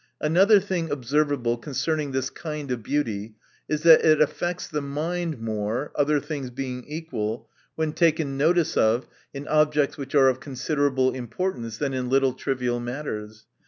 Another thing observable concerning this kind of beauty, is, that it affects the mind more (other things being equal) when taken notice of in objects which are of considerable importance, than in little trivial matters.